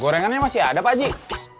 gorengannya masih ada pak